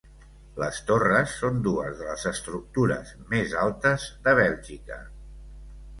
Les torres són dues de les estructures més altes de Bèlgica.